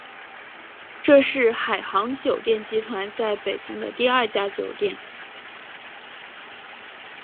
这是海航酒店集团在北京的第二家酒店。